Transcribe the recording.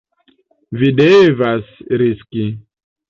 Vi devas riski.